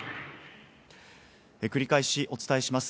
繰り返しお伝えします。